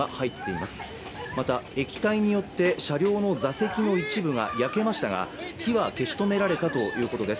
また、液体によって車両の座席の一部が焼けましたが火は消し止められたということです。